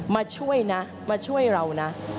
มาช่วยนะมาช่วยเรานะ